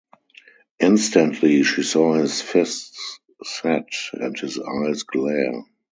Instantly she saw his fists set and his eyes glare.